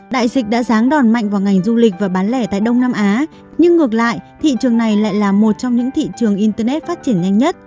đại dịch đã ráng đòn mạnh vào ngành du lịch và bán lẻ tại đông nam á nhưng ngược lại thị trường này lại là một trong những thị trường internet phát triển nhanh nhất